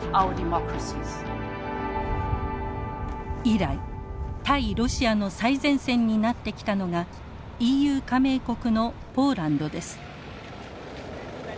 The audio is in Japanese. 以来対ロシアの最前線になってきたのがＥＵ加盟国のポーランドです。